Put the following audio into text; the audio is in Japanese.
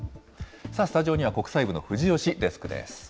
スタジオには国際部の藤吉デスクです。